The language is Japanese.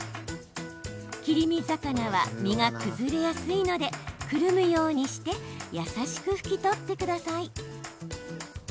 切り身魚は身が崩れやすいのでくるむようにして優しく拭き取ってください。